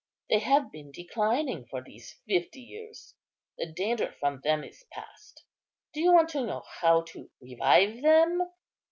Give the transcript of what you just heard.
They have been declining for these fifty years; the danger from them is past. Do you want to know how to revive them?